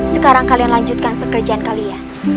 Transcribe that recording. sekarang kalian lanjutkan pekerjaan kalian